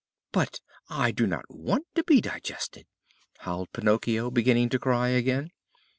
"But I do not want to be digested!" howled Pinocchio, beginning to cry again.